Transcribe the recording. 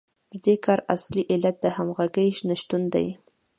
د دې کار اصلي علت د همغږۍ نشتون دی